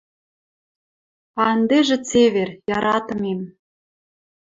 А ӹндежӹ цевер, яратымем!